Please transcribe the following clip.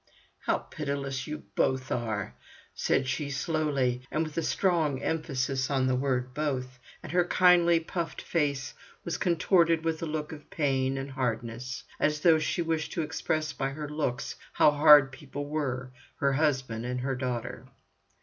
"How pitiless you both are," said she slowly and with strong emphasis on the word "both," and her kindly puffed face was contorted with a look of pain and hardness, as though she wished to express by her looks how hard people were—her husband and her daughter.